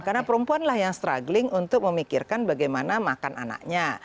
karena perempuan lah yang struggling untuk memikirkan bagaimana makan anaknya